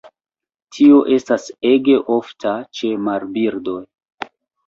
Tio estas ege ofta ĉe marbirdoj.